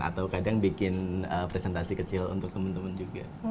atau kadang bikin presentasi kecil untuk teman teman juga